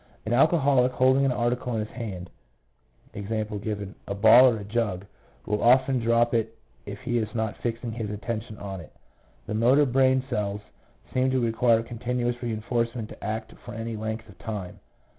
An alcoholic holding an article in his hand — e.g., a ball or a jug — will often drop it if he is not fixing his attention on it. The motor brain cells seem to require continuous reinforcement to act for any length of time.